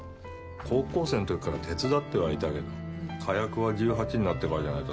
高校生の時から手伝ってはいたけど火薬は１８になってからじゃないと触れないから。